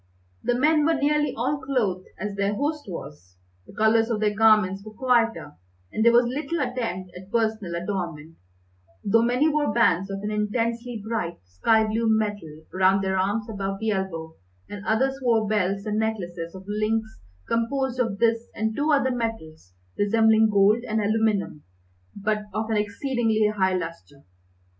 The men were nearly all clothed as their host was. The colours of their garments were quieter, and there was little attempt at personal adornment, though many wore bands of an intensely bright, sky blue metal round their arms above the elbow, and others wore belts and necklaces of links composed of this and two other metals resembling gold and aluminum, but of an exceedingly high lustre.